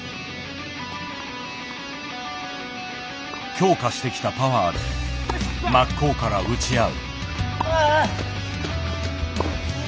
強化してきたパワーで真っ向から打ち合う。